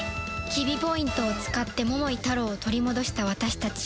キビ・ポイントを使って桃井タロウを取り戻した私たち